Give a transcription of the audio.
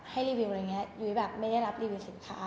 รีวิวอะไรอย่างนี้ยุ้ยแบบไม่ได้รับรีวิวสินค้า